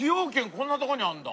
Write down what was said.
こんな所にあるんだ。